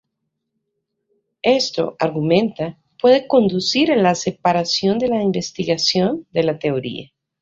Esto, argumenta, puede conducir a la separación de la investigación de la teoría.